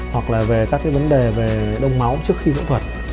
hoặc là về các vấn đề về đông máu trước khi phẫu thuật